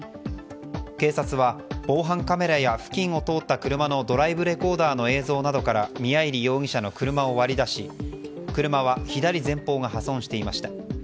警察は防犯カメラや付近を通った車のドライブレコーダーの映像などから宮入容疑者の車を割り出し車は左前方が破損していました。